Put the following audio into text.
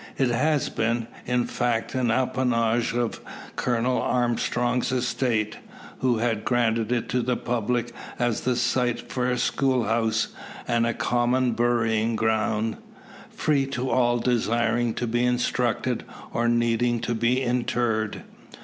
It has been, in fact, an appanage of Colonel Armstrong's estate, who had granted it to the public as the site for a schoolhouse, and a common burying ground free to all desiring to be instructed, or needing to be interred.